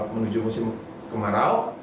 menuju musim kemarau